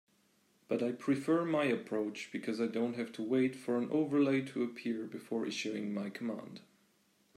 But I prefer my approach because I don't have to wait for an overlay to appear before issuing my command.